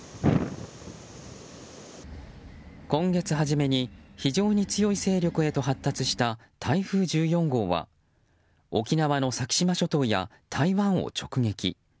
今月初めに非常に強い勢力へと発達した台風１４号は沖縄の先島諸島や台湾を直撃。